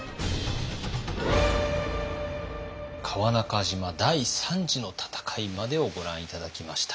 川中島第三次の戦いまでをご覧頂きました。